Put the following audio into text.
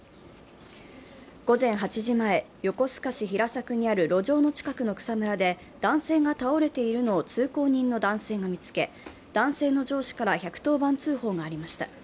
午前８時前横須賀市平作にある路上の近くの草むらで男性が倒れているのを通行人の男性が見つけ、男性の上司から１１０番通報がありました。